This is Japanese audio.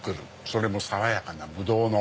それも爽やかなブドウの。